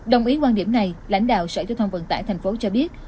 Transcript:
đồng ý quan điểm này lãnh đạo sở giao thông vận tải tp hcm cho biết